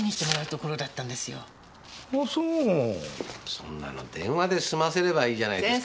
そんなの電話で済ませればいいじゃないですか。